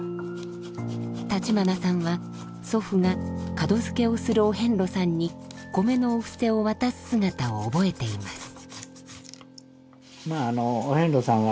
橘さんは祖父が門づけをするお遍路さんにコメのお布施を渡す姿を覚えています。